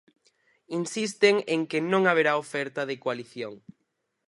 Insisten en que non haberá oferta de coalición.